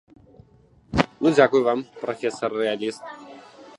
Ну дзякуй вам, прафесар рэаліст.